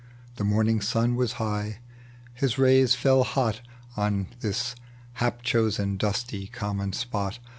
The morning auh was high ; his rays fell hot On this hap chosen, dusty, common spot.